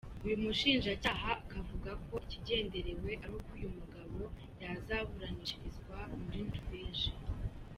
Uyu mushinjacyaha akavuga ko ikigenderewe ari uko uyu mugabo yazaburanishirizwa muri Norvege.